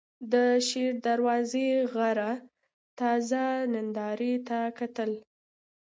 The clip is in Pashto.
د شېر دروازې غره تازه نندارې ته کتل.